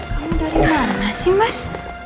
kamu dari mana sih mas